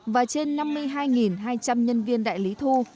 và trên năm mươi hai hai trăm linh nhân viên đại lý thu